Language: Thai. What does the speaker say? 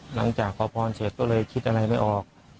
หลังจากขอพรเสร็จก็เลยคิดอะไรไม่ออก